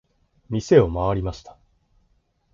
店を回りました。